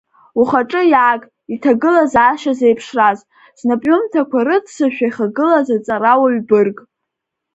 Ухаҿы иааг, иҭагылазаашьа зеиԥшраз, знапҩымҭақәа рыццышә иахагылаз аҵарауаҩ бырг!